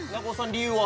理由は？